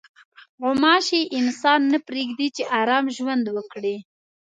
غوماشې انسان نه پرېږدي چې ارام ژوند وکړي.